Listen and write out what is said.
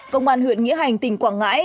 công an huyện nghĩa hành tỉnh quảng ngãi